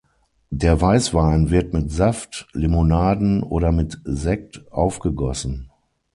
Der Weißwein wird mit Saft, Limonaden oder mit Sekt aufgegossen.